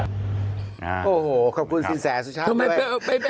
โอ้โหขอบคุณสินแสสุชาติ